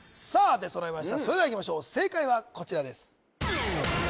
出揃いましたそれではいきましょう正解はこちらです